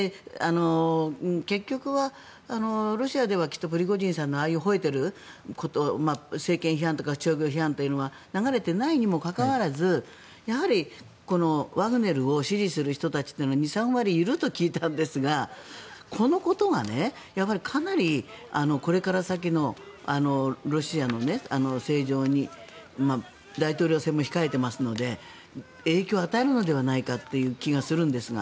結局はロシアではきっとプリゴジンさんのああいう、ほえていること政権批判とかは流れてないにもかかわらずワグネルを支持する人たちは２３割いると聞いたんですがこのことが、かなりこれから先のロシアの政情に大統領選も控えていますので影響を与えるのではないかという気がするんですが。